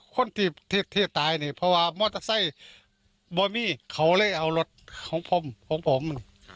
คนที่ตายเนี่ยมอเตอร์ไซส์ไม่มีเขาเลยเอารถของผม